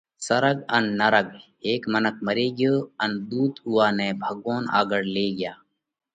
سرڳ ان نرڳ: هيڪ منک مري ڳيو ان ۮُوت اُوئا نئہ ڀڳوونَ آڳۯ لي ڳيا۔